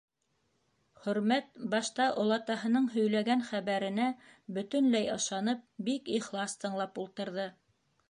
Хөрмәт башта, олатаһының һөйләгән хәбәренә бөтөнләй ышанып, бик ихлас тыңлап ултырҙы.